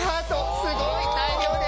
すごい大量です。